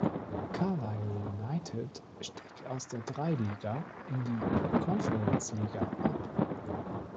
Carlisle United stieg aus der drei Liga in die Konference-Liga ab.